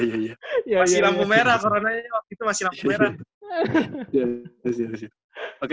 iya masih lampu merah coronanya waktu itu masih lampu merah